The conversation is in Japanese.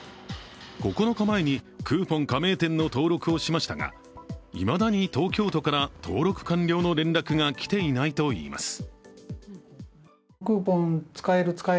９日前にクーポン加盟店の登録をしましたがいまだ東京都から登録完了の連絡が来ていないといいます。